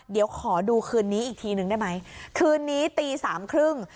เดี๋ยวขอดูคืนนี้อีกทีนึงได้ไหมคืนนี้ตีสามครึ่ง